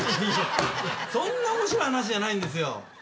そんな面白い話じゃないんですよ。